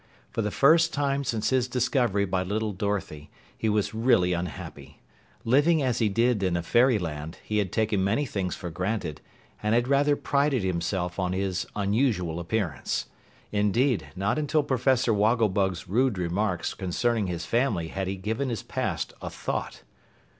For the first time since his discovery by little Dorothy, he was really unhappy. Living as he did in a Fairyland, he had taken many things for granted and had rather prided himself on his unusual appearance. Indeed, not until Professor Wogglebug's rude remarks concerning his family had he given his past a thought.